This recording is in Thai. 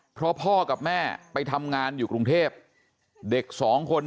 เพราะพ่อกับแม่ไปทำงานอยู่กรุงเทพเด็กสองคน